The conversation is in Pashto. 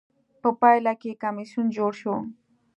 په پایله کې کمېسیون جوړ شو.